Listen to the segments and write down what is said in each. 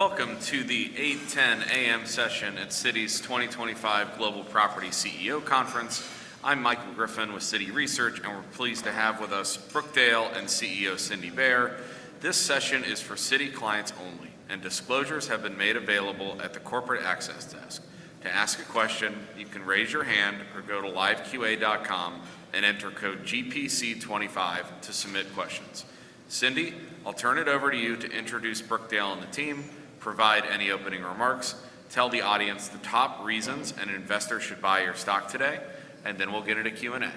Welcome to the 8:10 A.M. session at Citi's 2025 Global Property CEO Conference. I'm Michael Griffin with Citi Research, and we're pleased to have with us Brookdale and CEO Cindy Baier. This session is for Citi clients only, and disclosures have been made available at the corporate access desk. To ask a question, you can raise your hand or go to liveqa.com and enter code GPC25 to submit questions. Cindy, I'll turn it over to you to introduce Brookdale and the team, provide any opening remarks, tell the audience the top reasons an investor should buy your stock today, and then we'll get into Q&A.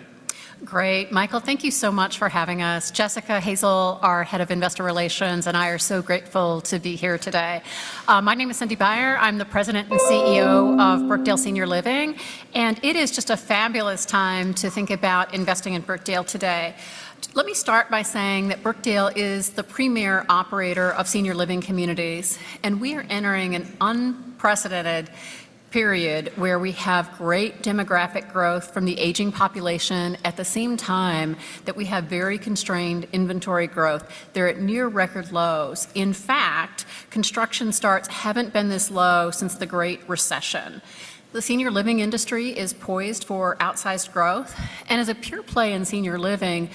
Great. Michael, thank you so much for having us. Jessica Hazel, our Head of Investor Relations, and I are so grateful to be here today. My name is Cindy Baier. I'm the President and CEO of Brookdale Senior Living, and it is just a fabulous time to think about investing in Brookdale today. Let me start by saying that Brookdale is the premier operator of senior living communities, and we are entering an unprecedented period where we have great demographic growth from the aging population at the same time that we have very constrained inventory growth. They're at near record lows. In fact, construction starts haven't been this low since the Great Recession. The senior living industry is poised for outsized growth, and as a pure play in senior living,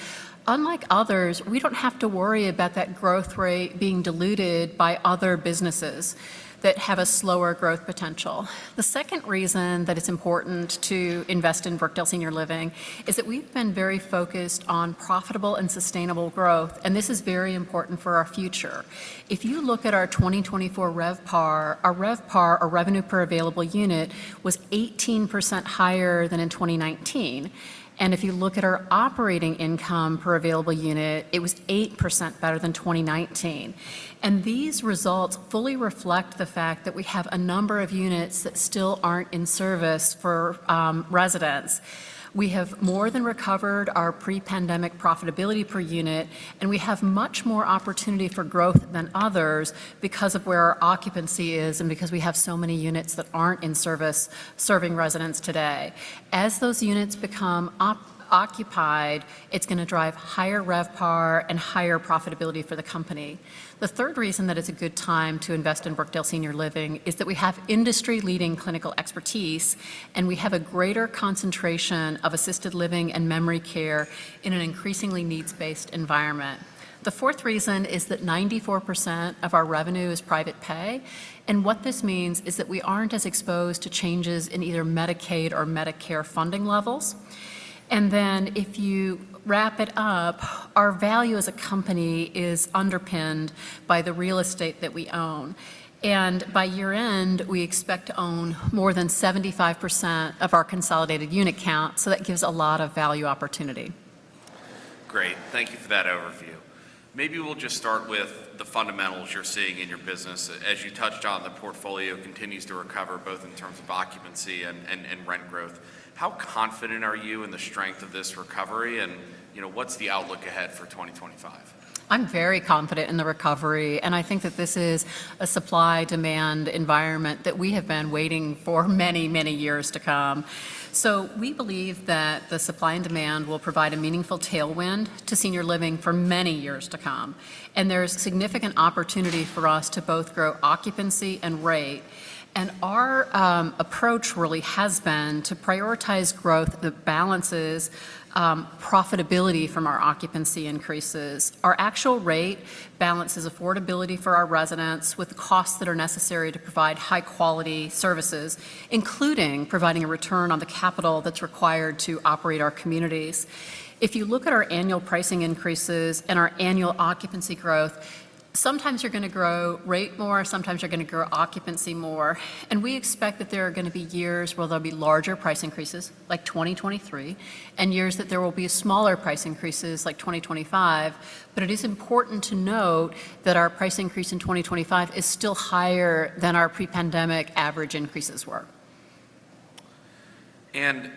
unlike others, we don't have to worry about that growth rate being diluted by other businesses that have a slower growth potential. The second reason that it's important to invest in Brookdale Senior Living is that we've been very focused on profitable and sustainable growth, and this is very important for our future. If you look at our 2024 RevPAR, our RevPAR, our revenue per available unit, was 18% higher than in 2019. If you look at our operating income per available unit, it was 8% better than 2019. These results fully reflect the fact that we have a number of units that still aren't in service for residents. We have more than recovered our pre-pandemic profitability per unit, and we have much more opportunity for growth than others because of where our occupancy is and because we have so many units that aren't in service serving residents today. As those units become occupied, it's going to drive higher RevPAR and higher profitability for the company. The third reason that it's a good time to invest in Brookdale Senior Living is that we have industry-leading clinical expertise, and we have a greater concentration of assisted living and memory care in an increasingly needs-based environment. The fourth reason is that 94% of our revenue is private pay, and what this means is that we aren't as exposed to changes in either Medicaid or Medicare funding levels. If you wrap it up, our value as a company is underpinned by the real estate that we own. By year-end, we expect to own more than 75% of our consolidated unit count. That gives a lot of value opportunity. Great. Thank you for that overview. Maybe we'll just start with the fundamentals you're seeing in your business. As you touched on, the portfolio continues to recover both in terms of occupancy and rent growth. How confident are you in the strength of this recovery? What is the outlook ahead for 2025? I'm very confident in the recovery, and I think that this is a supply-demand environment that we have been waiting for many, many years to come. We believe that the supply and demand will provide a meaningful tailwind to senior living for many years to come. There's significant opportunity for us to both grow occupancy and rate. Our approach really has been to prioritize growth that balances profitability from our occupancy increases. Our actual rate balances affordability for our residents with the costs that are necessary to provide high-quality services, including providing a return on the capital that's required to operate our communities. If you look at our annual pricing increases and our annual occupancy growth, sometimes you're going to grow rate more, sometimes you're going to grow occupancy more. We expect that there are going to be years where there'll be larger price increases, like 2023, and years that there will be smaller price increases, like 2025. It is important to note that our price increase in 2025 is still higher than our pre-pandemic average increases were.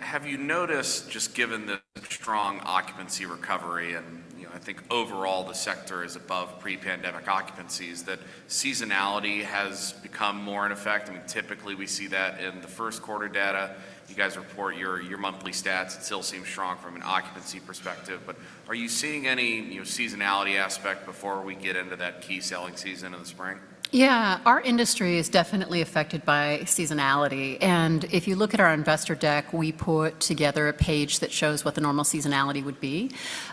Have you noticed, just given the strong occupancy recovery and I think overall the sector is above pre-pandemic occupancies, that seasonality has become more in effect? I mean, typically we see that in the 1st quarter data. You guys report your monthly stats. It still seems strong from an occupancy perspective. Are you seeing any seasonality aspect before we get into that key selling season in the spring? Yeah, our industry is definitely affected by seasonality. If you look at our investor deck, we put together a page that shows what the normal seasonality would be.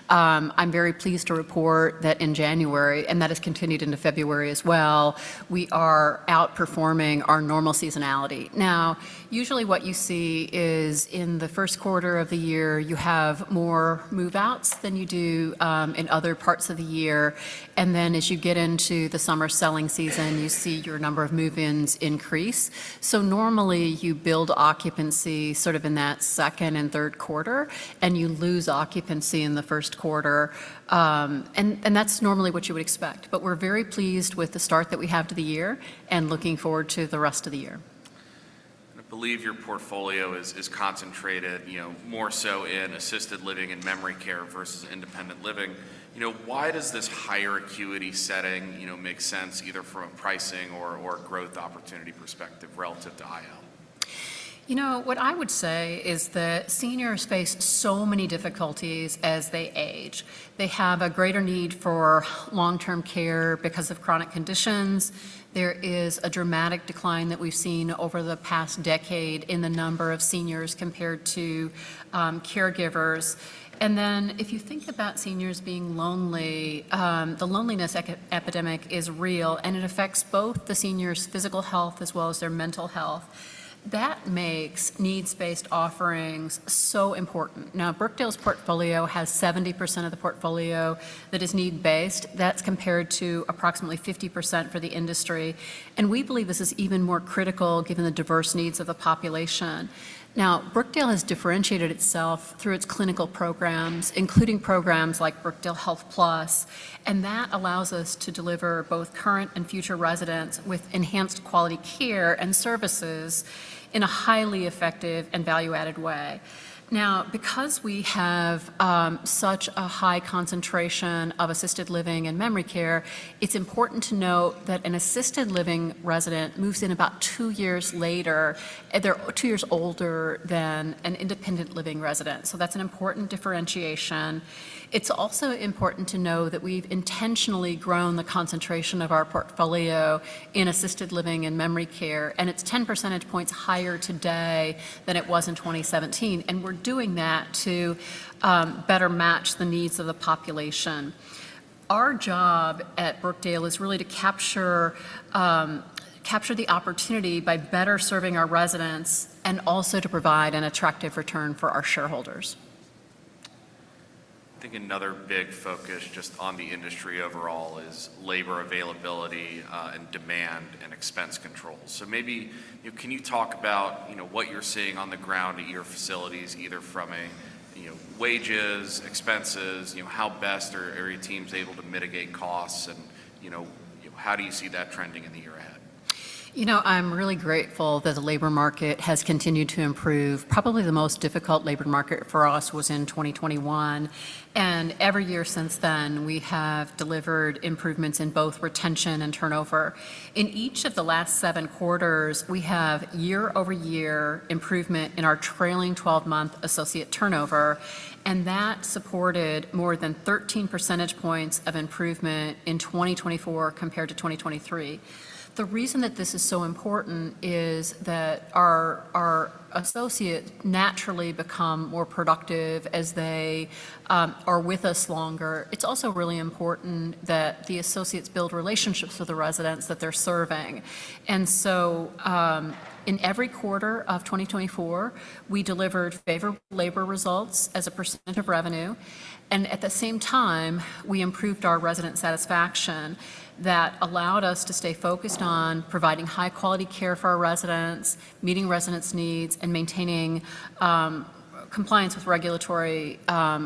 I'm very pleased to report that in January, and that has continued into February as well, we are outperforming our normal seasonality. Usually what you see is in the 1st quarter of the year, you have more move-outs than you do in other parts of the year. As you get into the summer selling season, you see your number of move-ins increase. Normally you build occupancy sort of in that 2nd quarter and 3rd quarter, and you lose occupancy in the 1st quarter. That is normally what you would expect. We are very pleased with the start that we have to the year and looking forward to the rest of the year. I believe your portfolio is concentrated more so in assisted living and memory care versus independent living. Why does this higher acuity setting make sense either from a pricing or growth opportunity perspective relative to IL? You know, what I would say is that seniors face so many difficulties as they age. They have a greater need for long-term care because of chronic conditions. There is a dramatic decline that we've seen over the past decade in the number of seniors compared to caregivers. If you think about seniors being lonely, the loneliness epidemic is real, and it affects both the seniors' physical health as well as their mental health. That makes needs-based offerings so important. Now, Brookdale's portfolio has 70% of the portfolio that is need-based. That's compared to approximately 50% for the industry. We believe this is even more critical given the diverse needs of the population. Now, Brookdale has differentiated itself through its clinical programs, including programs like Brookdale Health Plus. That allows us to deliver both current and future residents with enhanced quality care and services in a highly effective and value-added way. Because we have such a high concentration of assisted living and memory care, it's important to note that an assisted living resident moves in about two years later. They're two years older than an independent living resident. That's an important differentiation. It's also important to know that we've intentionally grown the concentration of our portfolio in assisted living and memory care, and it's 10 percentage points higher today than it was in 2017. We're doing that to better match the needs of the population. Our job at Brookdale is really to capture the opportunity by better serving our residents and also to provide an attractive return for our shareholders. I think another big focus just on the industry overall is labor availability and demand and expense control. Maybe can you talk about what you're seeing on the ground at your facilities, either from wages, expenses, how best are your teams able to mitigate costs, and how do you see that trending in the year ahead? You know, I'm really grateful that the labor market has continued to improve. Probably the most difficult labor market for us was in 2021. Every year since then, we have delivered improvements in both retention and turnover. In each of the last seven quarters, we have year-over-year improvement in our trailing 12-month associate turnover, and that supported more than 13 percentage points of improvement in 2024 compared to 2023. The reason that this is so important is that our associates naturally become more productive as they are with us longer. It's also really important that the associates build relationships with the residents that they're serving. In every quarter of 2024, we delivered favorable labor results as a percent of revenue. At the same time, we improved our resident satisfaction that allowed us to stay focused on providing high-quality care for our residents, meeting residents' needs, and maintaining compliance with regulatory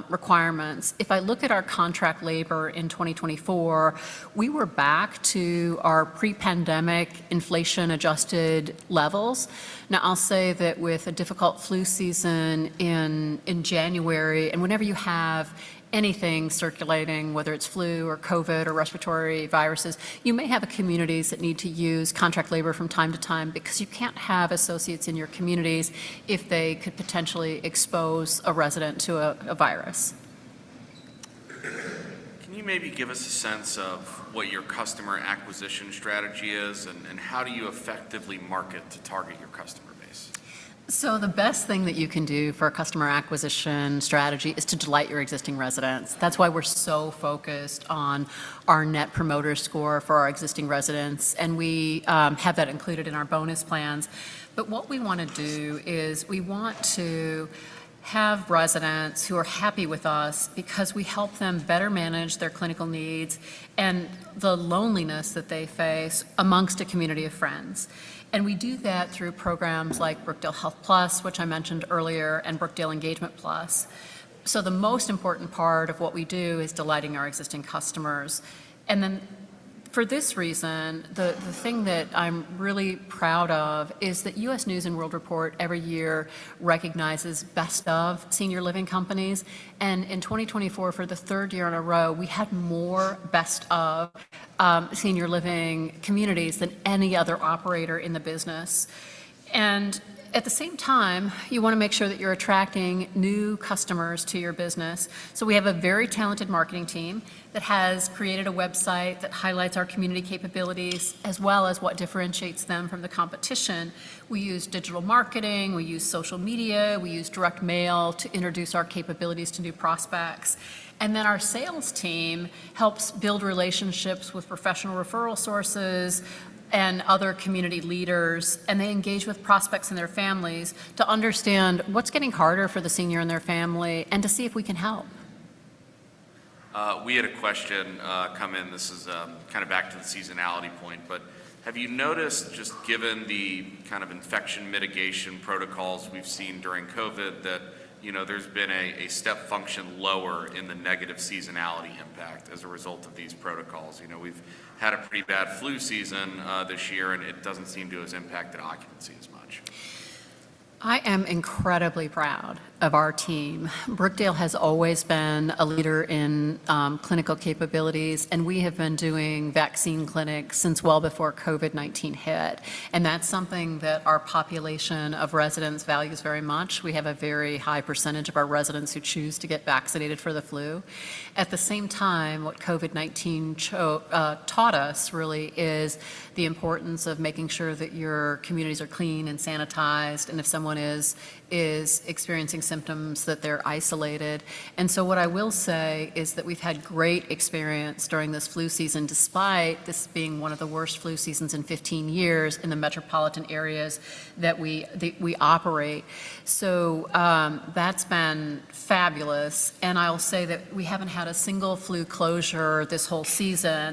requirements. If I look at our contract labor in 2024, we were back to our pre-pandemic inflation-adjusted levels. I'll say that with a difficult flu season in January, and whenever you have anything circulating, whether it's flu or COVID or respiratory viruses, you may have communities that need to use contract labor from time to time because you can't have associates in your communities if they could potentially expose a resident to a virus. Can you maybe give us a sense of what your customer acquisition strategy is, and how do you effectively market to target your customer base? The best thing that you can do for a customer acquisition strategy is to delight your existing residents. That is why we are so focused on our net promoter score for our existing residents. We have that included in our bonus plans. What we want to do is we want to have residents who are happy with us because we help them better manage their clinical needs and the loneliness that they face amongst a community of friends. We do that through programs like Brookdale Health Plus, which I mentioned earlier, and Brookdale Engagement Plus. The most important part of what we do is delighting our existing customers. For this reason, the thing that I am really proud of is that U.S. News & World Report every year recognizes best-of senior living companies. In 2024, for the third year in a row, we had more best-of senior living communities than any other operator in the business. At the same time, you want to make sure that you're attracting new customers to your business. We have a very talented marketing team that has created a website that highlights our community capabilities as well as what differentiates them from the competition. We use digital marketing, we use social media, we use direct mail to introduce our capabilities to new prospects. Our sales team helps build relationships with professional referral sources and other community leaders. They engage with prospects and their families to understand what's getting harder for the senior and their family and to see if we can help. We had a question come in. This is kind of back to the seasonality point. Have you noticed, just given the kind of infection mitigation protocols we've seen during COVID, that there's been a step function lower in the negative seasonality impact as a result of these protocols? We've had a pretty bad flu season this year, and it doesn't seem to have impacted occupancy as much. I am incredibly proud of our team. Brookdale has always been a leader in clinical capabilities, and we have been doing vaccine clinics since well before COVID-19 hit. That is something that our population of residents values very much. We have a very high percentage of our residents who choose to get vaccinated for the flu. At the same time, what COVID-19 taught us really is the importance of making sure that your communities are clean and sanitized, and if someone is experiencing symptoms, that they are isolated. What I will say is that we have had great experience during this flu season, despite this being one of the worst flu seasons in 15 years in the metropolitan areas that we operate. That has been fabulous. I will say that we have not had a single flu closure this whole season.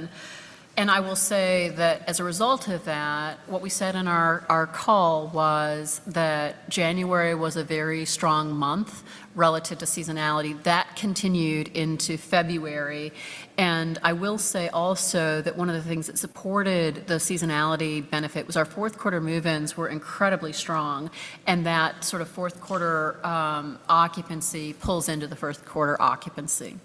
I will say that as a result of that, what we said in our call was that January was a very strong month relative to seasonality. That continued into February. I will say also that one of the things that supported the seasonality benefit was our 4th quarter move-ins were incredibly strong. That sort of 4th quarter occupancy pulls into the 1st quarter occupancy.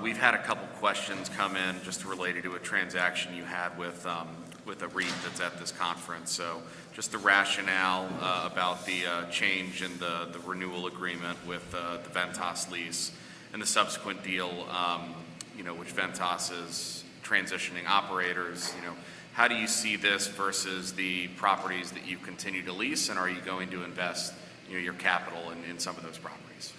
We've had a couple of questions come in just related to a transaction you had with a REIT that's at this conference. Just the rationale about the change in the renewal agreement with the Ventas lease and the subsequent deal, which Ventas is transitioning operators. How do you see this versus the properties that you continue to lease? Are you going to invest your capital in some of those properties?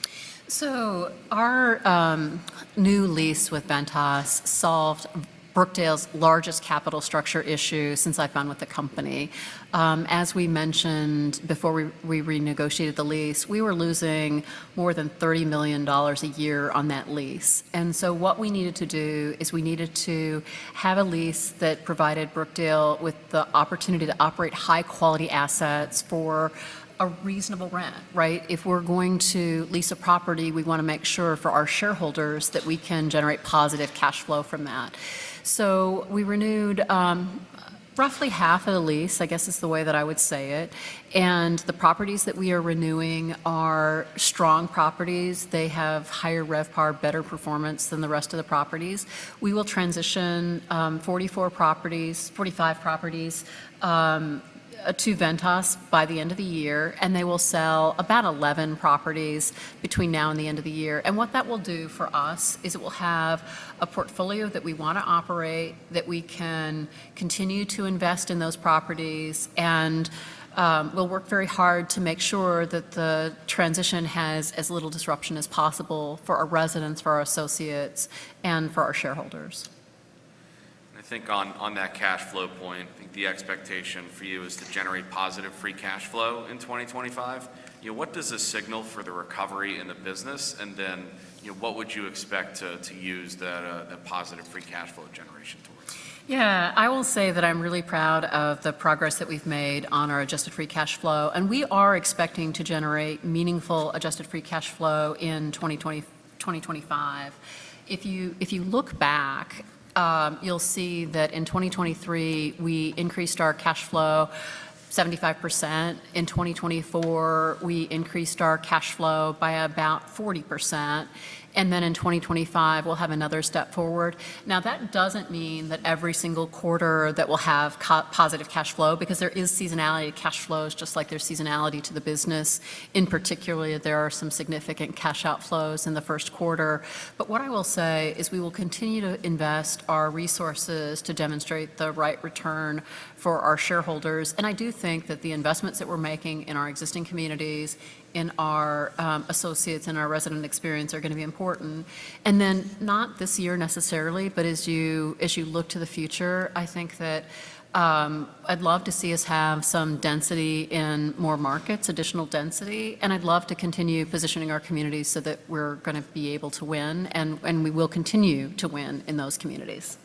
Our new lease with Ventas solved Brookdale's largest capital structure issue since I've been with the company. As we mentioned before we renegotiated the lease, we were losing more than $30 million a year on that lease. What we needed to do is we needed to have a lease that provided Brookdale with the opportunity to operate high-quality assets for a reasonable rent, right? If we're going to lease a property, we want to make sure for our shareholders that we can generate positive cash flow from that. We renewed roughly half of the lease, I guess is the way that I would say it. The properties that we are renewing are strong properties. They have higher RevPAR, better performance than the rest of the properties. We will transition 44 properties, 45 properties to Ventas by the end of the year, and they will sell about 11 properties between now and the end of the year. What that will do for us is it will have a portfolio that we want to operate, that we can continue to invest in those properties, and we will work very hard to make sure that the transition has as little disruption as possible for our residents, for our associates, and for our shareholders. I think on that cash flow point, I think the expectation for you is to generate positive free cash flow in 2025. What does this signal for the recovery in the business? What would you expect to use that positive free cash flow generation towards? Yeah, I will say that I'm really proud of the progress that we've made on our adjusted free cash flow. We are expecting to generate meaningful adjusted free cash flow in 2025. If you look back, you'll see that in 2023, we increased our cash flow 75%. In 2024, we increased our cash flow by about 40%. In 2025, we'll have another step forward. That does not mean that every single quarter we will have positive cash flow, because there is seasonality to cash flows, just like there's seasonality to the business. In particular, there are some significant cash outflows in the 1st quarter. What I will say is we will continue to invest our resources to demonstrate the right return for our shareholders. I do think that the investments that we're making in our existing communities, in our associates, and our resident experience are going to be important. Not this year necessarily, but as you look to the future, I think that I'd love to see us have some density in more markets, additional density. I'd love to continue positioning our communities so that we're going to be able to win, and we will continue to win in those communities.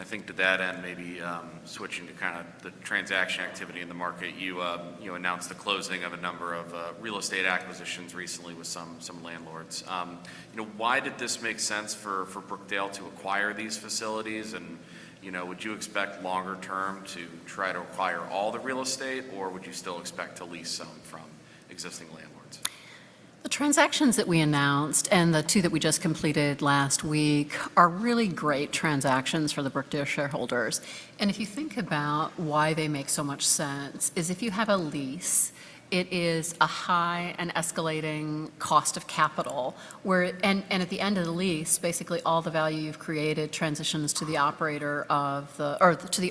I think to that end, maybe switching to kind of the transaction activity in the market, you announced the closing of a number of real estate acquisitions recently with some landlords. Why did this make sense for Brookdale to acquire these facilities? Would you expect longer term to try to acquire all the real estate, or would you still expect to lease some from existing landlords? The transactions that we announced and the two that we just completed last week are really great transactions for the Brookdale shareholders. If you think about why they make so much sense, it is if you have a lease, it is a high and escalating cost of capital. At the end of the lease, basically all the value you've created transitions to the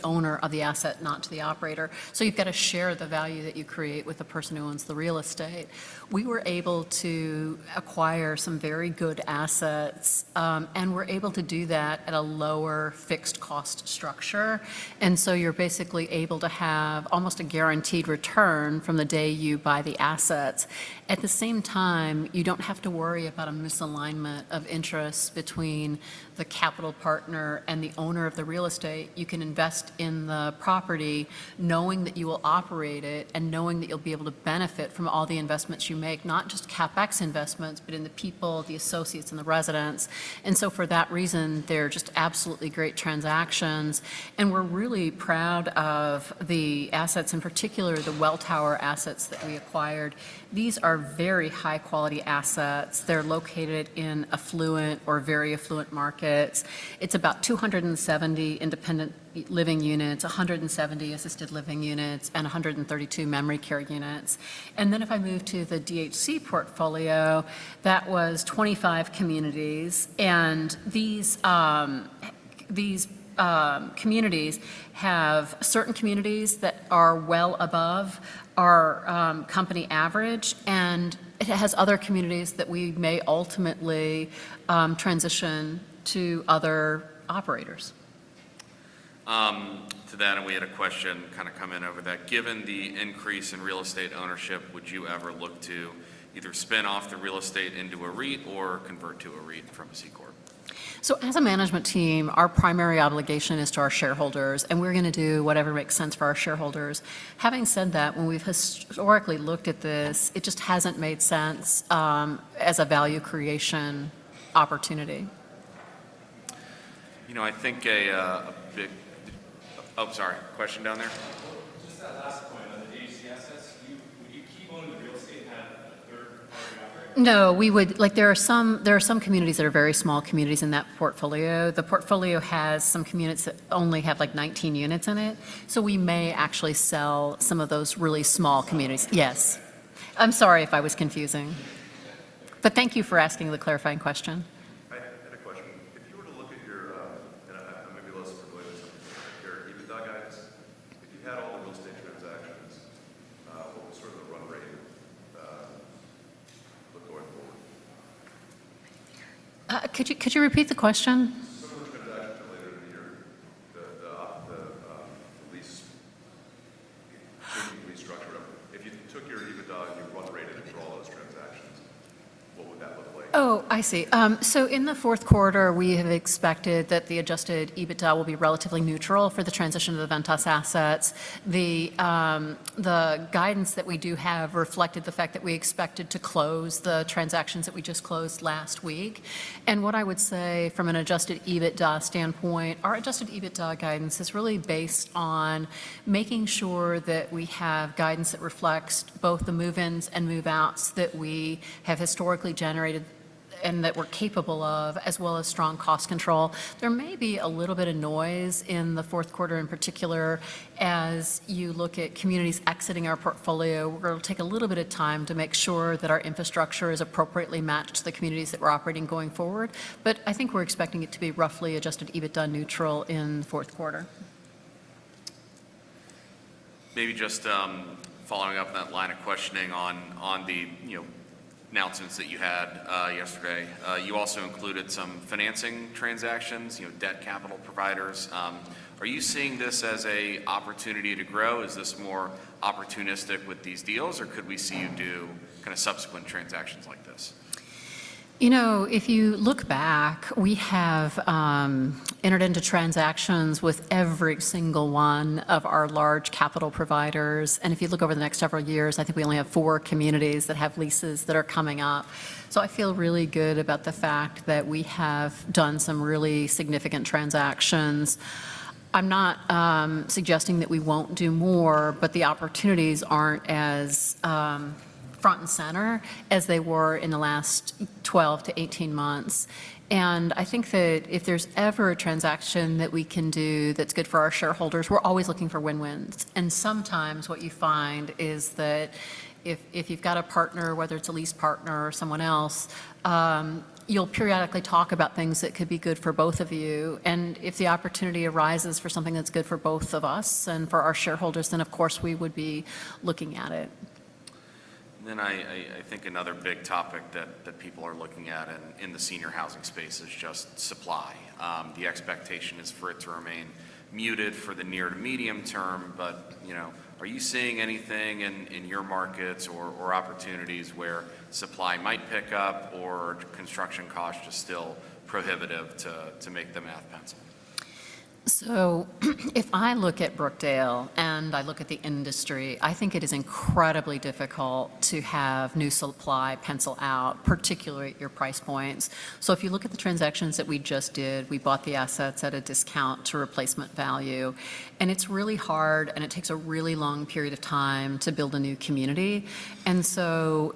owner of the asset, not to the operator. You have to share the value that you create with the person who owns the real estate. We were able to acquire some very good assets, and we're able to do that at a lower fixed cost structure. You are basically able to have almost a guaranteed return from the day you buy the assets. At the same time, you do not have to worry about a misalignment of interest between the capital partner and the owner of the real estate. You can invest in the property knowing that you will operate it and knowing that you will be able to benefit from all the investments you make, not just CapEx investments, but in the people, the associates, and the residents. For that reason, they are just absolutely great transactions. We are really proud of the assets, in particular the Welltower assets that we acquired. These are very high-quality assets. They are located in affluent or very affluent markets. It is about 270 independent living units, 170 assisted living units, and 132 memory care units. If I move to the DHC portfolio, that was 25 communities. These communities have certain communities that are well above our company average, and it has other communities that we may ultimately transition to other operators. To that, we had a question kind of come in over that. Given the increase in real estate ownership, would you ever look to either spin off the real estate into a REIT or convert to a REIT from a C-corp? As a management team, our primary obligation is to our shareholders, and we're going to do whatever makes sense for our shareholders. Having said that, when we've historically looked at this, it just hasn't made sense as a value creation opportunity. You know, I think a big, oh, sorry, question down there. Just that last point on the DHC assets, would you keep owning the real estate and have a third-party operator? No, we would. There are some communities that are very small communities in that portfolio. The portfolio has some communities that only have like 19 units in it. We may actually sell some of those really small communities. Yes. I'm sorry if I was confusing. Thank you for asking the clarifying question. Some of the transactions are later in the year. The lease structure up. If you took your EBITDA and you run rated it for all those transactions, what would that look like? Oh, I see. In the 4th quarter, we have expected that the adjusted EBITDA will be relatively neutral for the transition of the Ventas assets. The guidance that we do have reflected the fact that we expected to close the transactions that we just closed last week. What I would say from an adjusted EBITDA standpoint, our adjusted EBITDA guidance is really based on making sure that we have guidance that reflects both the move-ins and move-outs that we have historically generated and that we're capable of, as well as strong cost control. There may be a little bit of noise in the 4th quarter in particular as you look at communities exiting our portfolio. We're going to take a little bit of time to make sure that our infrastructure is appropriately matched to the communities that we're operating going forward. I think we're expecting it to be roughly adjusted EBITDA neutral in the 4th quarter. Maybe just following up on that line of questioning on the announcements that you had yesterday, you also included some financing transactions, debt capital providers. Are you seeing this as an opportunity to grow? Is this more opportunistic with these deals, or could we see you do kind of subsequent transactions like this? You know, if you look back, we have entered into transactions with every single one of our large capital providers. If you look over the next several years, I think we only have four communities that have leases that are coming up. I feel really good about the fact that we have done some really significant transactions. I'm not suggesting that we won't do more, but the opportunities aren't as front and center as they were in the last 12 months-18 months. I think that if there's ever a transaction that we can do that's good for our shareholders, we're always looking for win-wins. Sometimes what you find is that if you've got a partner, whether it's a lease partner or someone else, you'll periodically talk about things that could be good for both of you. If the opportunity arises for something that's good for both of us and for our shareholders, then of course we would be looking at it. I think another big topic that people are looking at in the senior housing space is just supply. The expectation is for it to remain muted for the near to medium term. Are you seeing anything in your markets or opportunities where supply might pick up or construction costs just still prohibitive to make the math pencil? If I look at Brookdale and I look at the industry, I think it is incredibly difficult to have new supply pencil out, particularly at your price points. If you look at the transactions that we just did, we bought the assets at a discount to replacement value. It is really hard, and it takes a really long period of time to build a new community.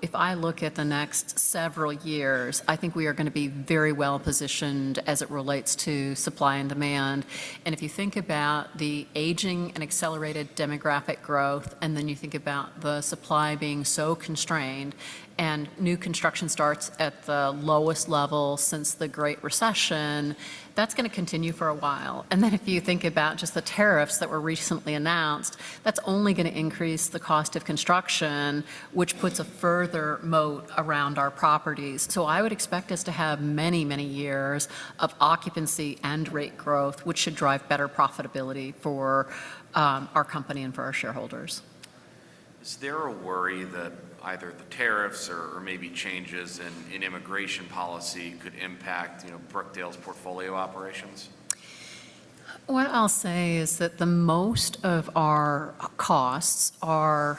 If I look at the next several years, I think we are going to be very well positioned as it relates to supply and demand. If you think about the aging and accelerated demographic growth, and then you think about the supply being so constrained and new construction starts at the lowest level since the Great Recession, that is going to continue for a while. If you think about just the tariffs that were recently announced, that's only going to increase the cost of construction, which puts a further moat around our properties. I would expect us to have many, many years of occupancy and rate growth, which should drive better profitability for our company and for our shareholders. Is there a worry that either the tariffs or maybe changes in immigration policy could impact Brookdale's portfolio operations? What I'll say is that most of our costs are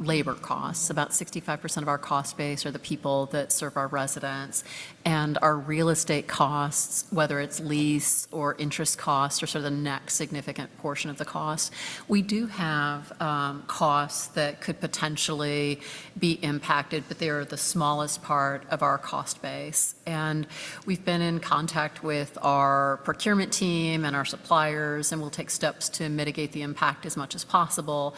labor costs. About 65% of our cost base are the people that serve our residents. Our real estate costs, whether it's lease or interest costs, are the next significant portion of the cost. We do have costs that could potentially be impacted, but they are the smallest part of our cost base. We've been in contact with our procurement team and our suppliers, and we'll take steps to mitigate the impact as much as possible.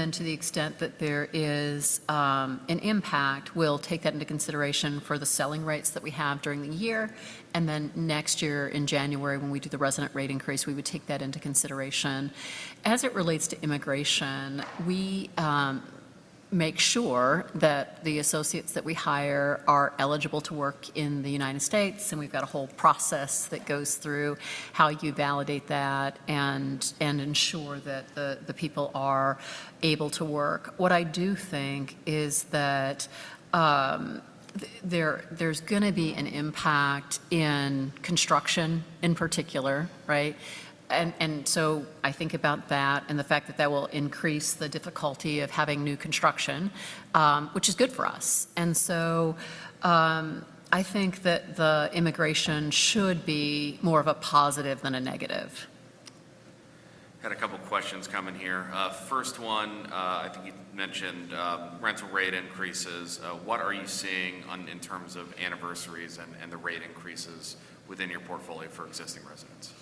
To the extent that there is an impact, we'll take that into consideration for the selling rates that we have during the year. Next year in January, when we do the resident rate increase, we would take that into consideration. As it relates to immigration, we make sure that the associates that we hire are eligible to work in the United States. We have a whole process that goes through how you validate that and ensure that the people are able to work. What I do think is that there is going to be an impact in construction in particular, right? I think about that and the fact that that will increase the difficulty of having new construction, which is good for us. I think that the immigration should be more of a positive than a negative. Got a couple of questions coming here. First one, I think you mentioned rental rate increases. What are you seeing in terms of anniversaries and the rate increases within your portfolio for existing residents?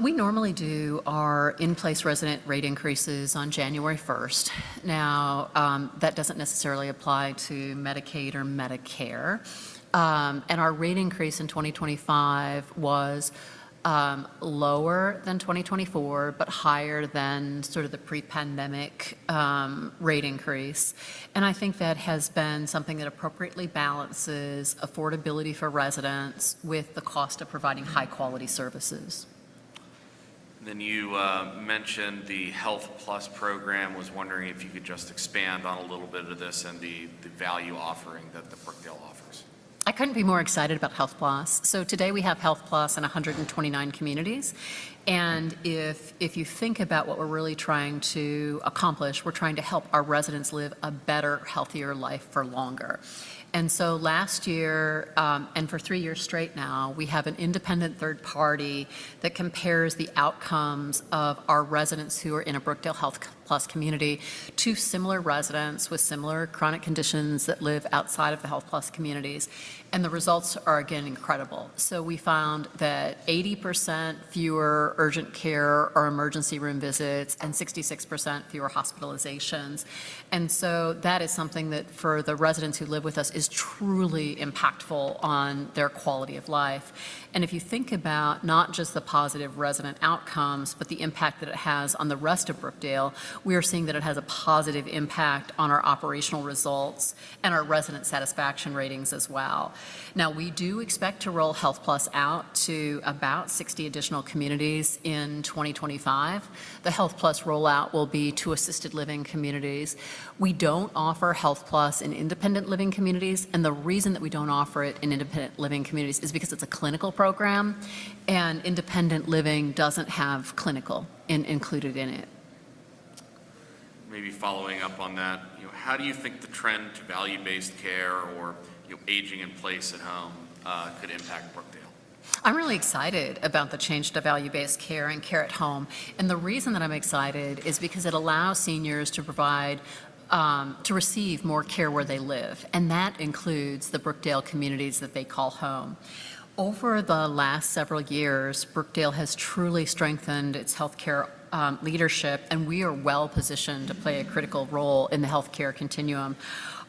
We normally do our in-place resident rate increases on January 1st. Now, that does not necessarily apply to Medicaid or Medicare. Our rate increase in 2025 was lower than 2024, but higher than sort of the pre-pandemic rate increase. I think that has been something that appropriately balances affordability for residents with the cost of providing high-quality services. You mentioned the Health Plus program. I was wondering if you could just expand on a little bit of this and the value offering that Brookdale offers. I couldn't be more excited about Health Plus. Today we have Health Plus in 129 communities. If you think about what we're really trying to accomplish, we're trying to help our residents live a better, healthier life for longer. Last year and for three years straight now, we have an independent third party that compares the outcomes of our residents who are in a Brookdale Health Plus community to similar residents with similar chronic conditions that live outside of the Health Plus communities. The results are again incredible. We found that 80% fewer urgent care or emergency room visits and 66% fewer hospitalizations. That is something that for the residents who live with us is truly impactful on their quality of life. If you think about not just the positive resident outcomes, but the impact that it has on the rest of Brookdale, we are seeing that it has a positive impact on our operational results and our resident satisfaction ratings as well. We do expect to roll Health Plus out to about 60 additional communities in 2025. The Health Plus rollout will be to assisted living communities. We do not offer Health Plus in independent living communities. The reason that we do not offer it in independent living communities is because it is a clinical program, and independent living does not have clinical included in it. Maybe following up on that, how do you think the trend to value-based care or aging in place at home could impact Brookdale? I'm really excited about the change to value-based care and care at home. The reason that I'm excited is because it allows seniors to receive more care where they live. That includes the Brookdale communities that they call home. Over the last several years, Brookdale has truly strengthened its healthcare leadership, and we are well positioned to play a critical role in the healthcare continuum.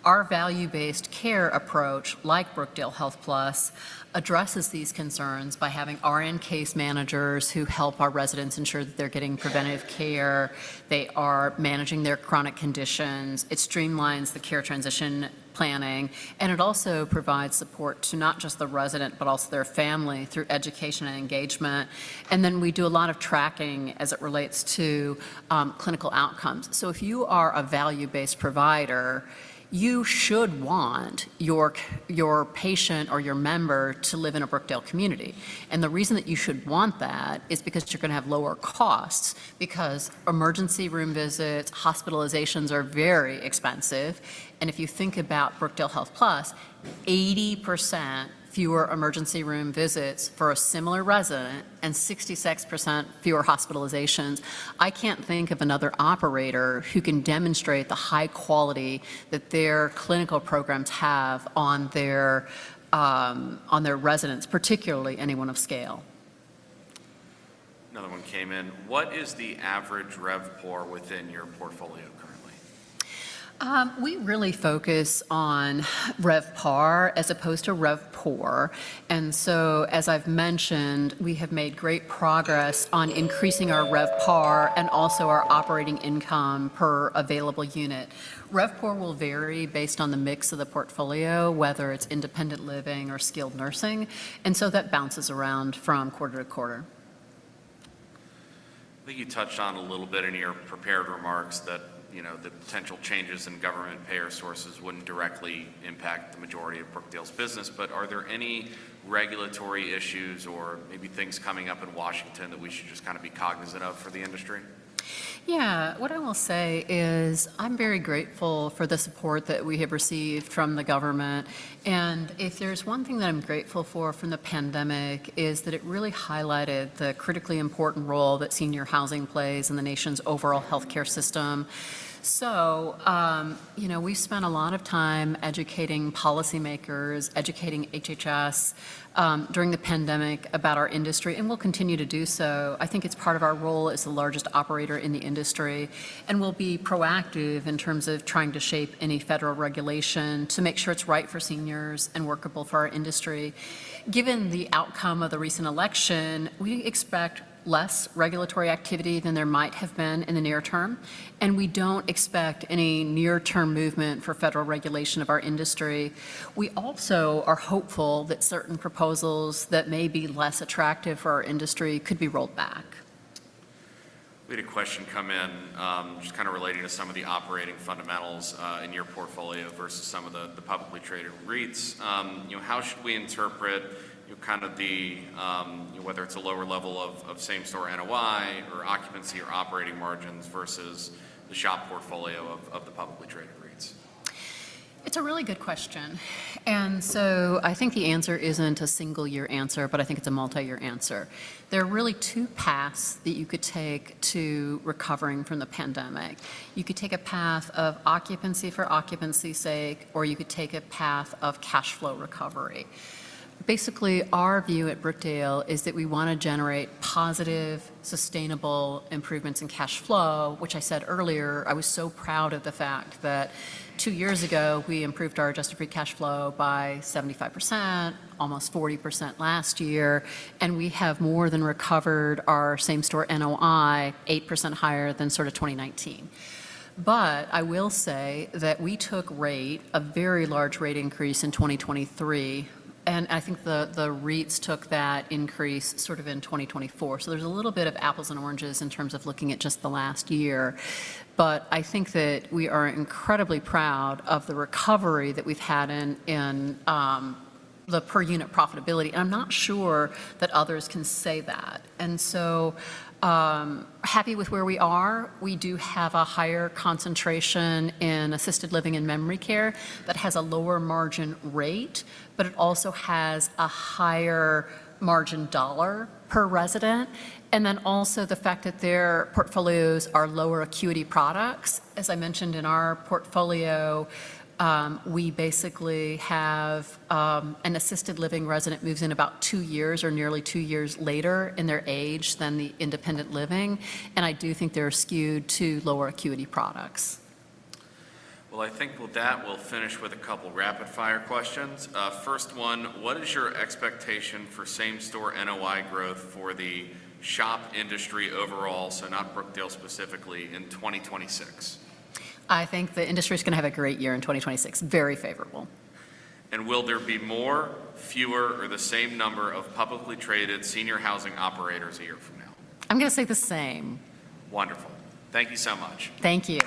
Our value-based care approach, like Brookdale Health Plus, addresses these concerns by having our in-case managers who help our residents ensure that they're getting preventative care. They are managing their chronic conditions. It streamlines the care transition planning. It also provides support to not just the resident, but also their family through education and engagement. We do a lot of tracking as it relates to clinical outcomes. If you are a value-based provider, you should want your patient or your member to live in a Brookdale community. The reason that you should want that is because you're going to have lower costs, because emergency room visits, hospitalizations are very expensive. If you think about Brookdale Health Plus, 80% fewer emergency room visits for a similar resident and 66% fewer hospitalizations. I can't think of another operator who can demonstrate the high quality that their clinical programs have on their residents, particularly anyone of scale. Another one came in. What is the average RevPOR within your portfolio currently? We really focus on RevPAR as opposed to RevPOR. As I've mentioned, we have made great progress on increasing our RevPAR and also our operating income per available unit. RevPAUR will vary based on the mix of the portfolio, whether it's independent living or skilled nursing. That bounces around from quarter to quarter. I think you touched on a little bit in your prepared remarks that the potential changes in government payer sources would not directly impact the majority of Brookdale's business. Are there any regulatory issues or maybe things coming up in Washington that we should just kind of be cognizant of for the industry? Yeah. What I will say is I'm very grateful for the support that we have received from the government. If there's one thing that I'm grateful for from the pandemic, it is that it really highlighted the critically important role that senior housing plays in the nation's overall healthcare system. We have spent a lot of time educating policymakers, educating HHS during the pandemic about our industry, and we'll continue to do so. I think it's part of our role as the largest operator in the industry. We will be proactive in terms of trying to shape any federal regulation to make sure it's right for seniors and workable for our industry. Given the outcome of the recent election, we expect less regulatory activity than there might have been in the near term. We do not expect any near-term movement for federal regulation of our industry. We also are hopeful that certain proposals that may be less attractive for our industry could be rolled back. We had a question come in just kind of relating to some of the operating fundamentals in your portfolio versus some of the publicly traded REITs. How should we interpret kind of whether it's a lower level of same-store NOI or occupancy or operating margins versus the shop portfolio of the publicly traded REITs? It's a really good question. I think the answer isn't a single-year answer, but I think it's a multi-year answer. There are really two paths that you could take to recovering from the pandemic. You could take a path of occupancy for occupancy's sake, or you could take a path of cash flow recovery. Basically, our view at Brookdale is that we want to generate positive, sustainable improvements in cash flow, which I said earlier, I was so proud of the fact that two years ago we improved our adjusted free cash flow by 75%, almost 40% last year. We have more than recovered our same-store NOI, 8% higher than sort of 2019. I will say that we took a very large rate increase in 2023. I think the REITs took that increase sort of in 2024. There's a little bit of apples and oranges in terms of looking at just the last year. I think that we are incredibly proud of the recovery that we've had in the per-unit profitability. I'm not sure that others can say that. Happy with where we are. We do have a higher concentration in assisted living and memory care that has a lower margin rate, but it also has a higher margin dollar per resident. Also, the fact that their portfolios are lower acuity products. As I mentioned in our portfolio, we basically have an assisted living resident that moves in about two years or nearly two years later in their age than the independent living. I do think they're skewed to lower acuity products. I think that will finish with a couple of rapid-fire questions. First one, what is your expectation for same-store NOI growth for the shop industry overall, so not Brookdale specifically, in 2026? I think the industry is going to have a great year in 2026. Very favorable. Will there be more, fewer, or the same number of publicly traded senior housing operators a year from now? I'm going to say the same. Wonderful. Thank you so much. Thank you.